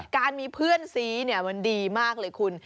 การมีเพื่อนซีมันดีมากเลยคุณ